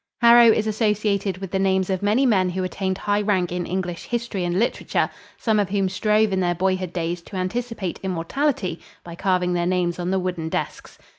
Harrow is associated with the names of many men who attained high rank in English history and literature, some of whom strove in their boyhood days to anticipate immortality by carving their names on the wooden desks.